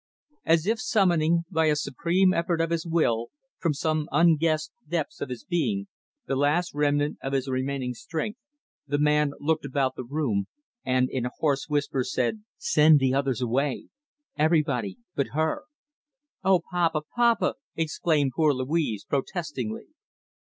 As if summoning, by a supreme effort of his will, from some unguessed depths of his being, the last remnant of his remaining strength, the man looked about the room and, in a hoarse whisper, said, "Send the others away everybody but her." "O papa, papa!" exclaimed poor Louise, protestingly.